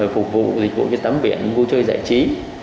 phục vụ dịch vụ trên tấm biển vui chơi giải trí